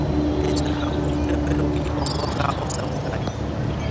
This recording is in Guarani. Peichaháguinte Peru'i oho ha osapukái.